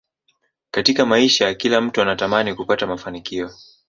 Katika maisha kila mtu anatamani kupata mafanikio